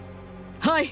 はい。